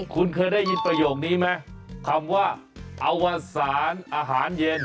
คุณเคยได้ยินประโยคนี้ไหมคำว่าอวสารอาหารเย็น